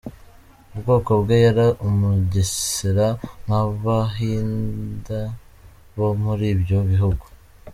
Ubwoko bwe yari Umugesera, nk’Abahinda bo muri ibyo bihugu.